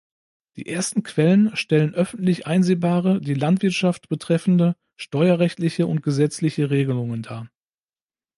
Die ersten Quellen stellen öffentlich einsehbare, die Landwirtschaft betreffende, steuerrechtliche und gesetzliche Regelungen dar.